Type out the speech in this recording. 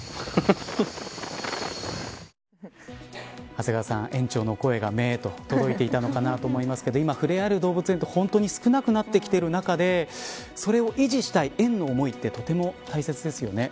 長谷川さん、縁長の声が届いていたのかなと思いますけど今、触れ合える動物園が少なくなってきている中でそれを維持したい園の思いって大切ですよね。